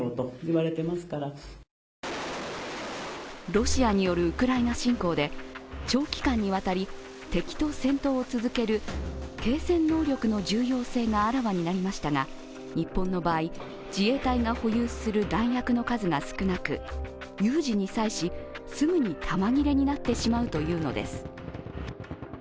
ロシアによるウクライナ侵攻で長期間にわたり敵と戦闘を続ける継戦能力の重要性があらわになりましたが日本の場合、自衛隊が保有する弾薬の数が少なく、有事に際し、すぐに弾切れになってしまうというのです。